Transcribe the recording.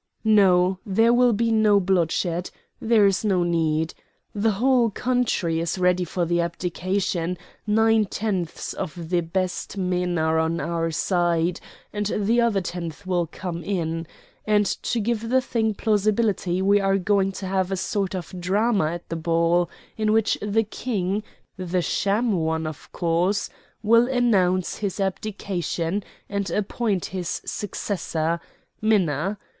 "No, there will be no bloodshed. There is no need. The whole country is ready for the abdication; nine tenths of the best men are on our side and the other tenth will come in; and to give the thing plausibility we are going to have a sort of drama at the ball, in which the King the sham one, of course will announce his abdication and appoint his successor Minna.